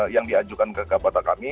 yang diajukan ke kabar kami